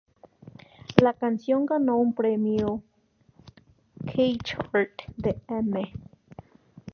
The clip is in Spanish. La canción ganó un premio K-Chart de "M!